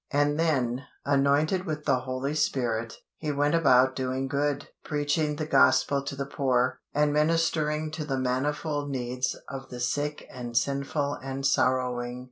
And then, anointed with the Holy Spirit, He went about doing good, preaching the Gospel to the poor, and ministering to the manifold needs of the sick and sinful and sorrowing.